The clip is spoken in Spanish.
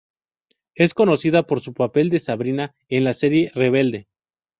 Es conocida por su papel de Sabrina en la Serie "Rebelde".